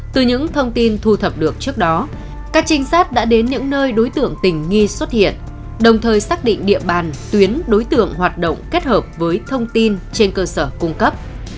từ những thông tin thu thập được trước đó các trinh sát đã đến những nơi đối tượng tình nghi xuất hiện đồng thời xác định địa bàn tuyến đối tượng hoạt động kết hợp với thông tin trên cơ sở cung cấp